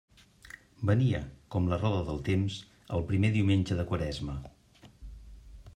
Venia, com la roda del temps, el primer diumenge de Quaresma.